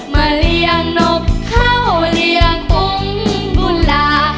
มาเลี่ยงนกเข้าเลี่ยงอุ้งกุล่า